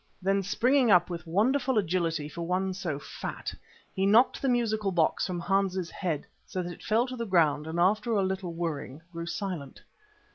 Then springing up with wonderful agility for one so fat, he knocked the musical box from Hans's head, so that it fell to the ground and after a little whirring grew silent.